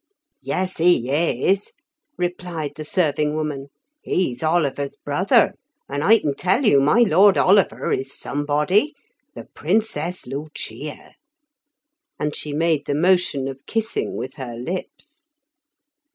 "Yes he is," replied the serving woman; "he's Oliver's brother; and I can tell you my lord Oliver is somebody; the Princess Lucia " and she made the motion of kissing with her lips.